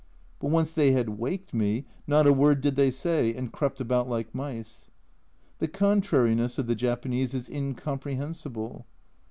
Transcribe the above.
But once they had "waked" me, not a word did they say, and crept about like mice. The contrariness of the Japanese is incomprehensible.